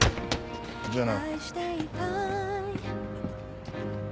じゃあな。